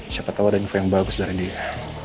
siapa tahu ada info yang bagus dari dia